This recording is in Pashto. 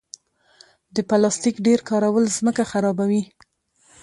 د پلاستیک ډېر کارول ځمکه خرابوي.